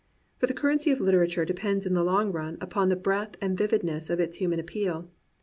For the currency of literature depends in the long run upon the breadth and vividness of its human appeal.